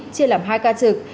chia làm hai ca trực